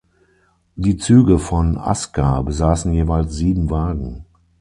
Die Züge von "Aska" besaßen jeweils sieben Wagen.